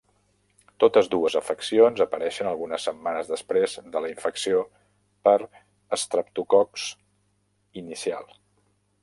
Totes dues afeccions apareixen algunes setmanes després de la infecció per estreptococs inicial.